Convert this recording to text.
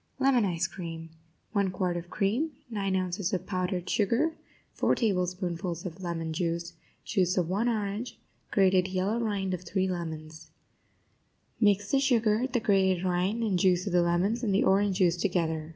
LEMON ICE CREAM 1 quart of cream 9 ounces of powdered sugar 4 tablespoonfuls of lemon juice Juice of one orange Grated yellow rind of 3 lemons Mix the sugar, the grated rind and juice of the lemons, and the orange juice together.